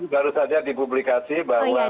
baru saja dipublikasi bahwa